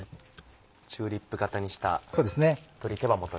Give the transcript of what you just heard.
チューリップ形にした鶏手羽元です。